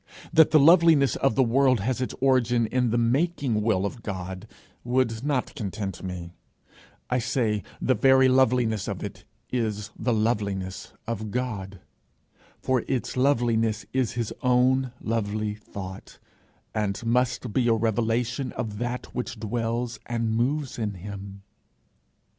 That the loveliness of the world has its origin in the making will of God, would not content me; I say, the very loveliness of it is the loveliness of God, for its loveliness is his own lovely thought, and must be a revelation of that which dwells and moves in himself.